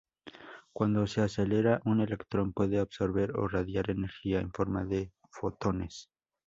Cuando se acelera un electrón, puede absorber o radiar energía en forma de fotones.